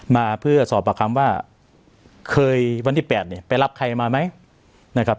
มาเพื่อสอบประคำว่าเคยวันที่๘เนี่ยไปรับใครมาไหมนะครับ